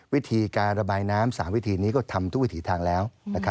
วิธีการระบายน้ำ๓วิธีนี้ก็ทำทุกวิถีทางแล้ว